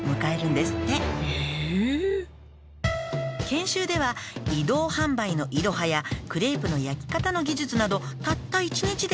「へぇ」「研修では移動販売のイロハやクレープの焼き方の技術などたった１日で学べちゃうのよ」